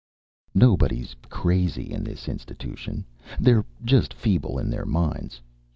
Nobody's crazy in this institution. They're just feeble in their minds.